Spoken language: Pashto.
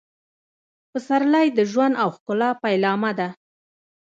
پسرلی د ژوند او ښکلا پیلامه ده.